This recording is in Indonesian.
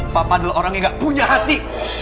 papa adalah orang yang gak punya hati